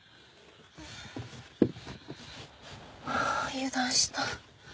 油断した。